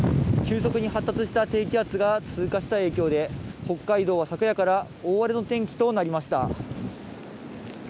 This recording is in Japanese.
急速に発達した低気圧が通過した影響で、北海道は昨夜から大荒れの天気となりました。